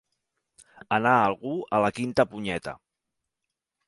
Anar algú a la quinta punyeta.